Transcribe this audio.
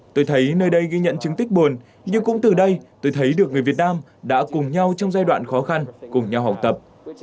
tôi thấy nơi đây ghi nhận chứng tích buồn nhưng cũng từ đây tôi thấy được người việt nam đã cùng nhau trong giai đoạn khó khăn cùng nhau học tập